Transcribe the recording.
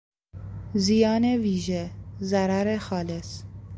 زیان ویژه، ضرر خالص